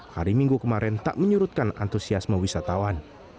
hari minggu kemarin tak menyurutkan antusiasme wisatawan